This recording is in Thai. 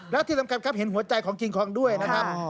แล้วที่สำคัญครับเห็นหัวใจของคิงคองด้วยนะครับ